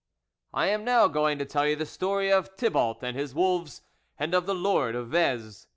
I am now going to tell you the story of Thibault and his wolves, and of the Lord of Vez.